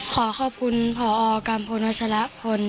ขอขอบคุณพอกัมพลวัชละพล